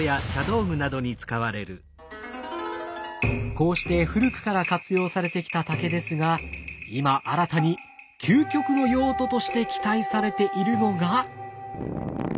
こうして古くから活用されてきた竹ですが今新たに究極の用途として期待されているのが。